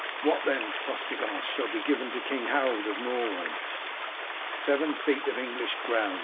"What, then," Tostig asked, "shall be given to King Harold of Norway?" "Seven feet of English ground!"